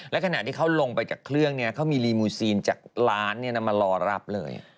และขณะที่เขาลงไปจากเครื่องเขามีรีมูซีนจากร้านมารอรับเลย